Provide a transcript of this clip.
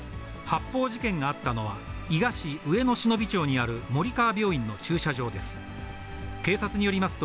発砲事件があったのは、伊賀市上野忍町にある森川病院の駐車場です。